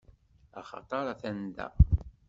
Axaṭeṛ atan da.